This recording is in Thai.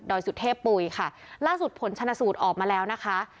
สุเทพปุ๋ยค่ะล่าสุดผลชนะสูตรออกมาแล้วนะคะ